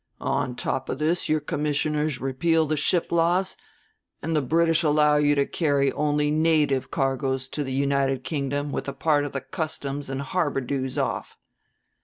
On top of this your commissioners repeal the ship laws and the British allow you to carry only native cargoes to the United Kingdom with a part of the customs and harbor dues off.